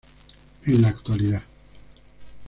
En la Actualidad.